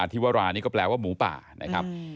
ที่วรานี่ก็แปลว่าหมูป่านะครับ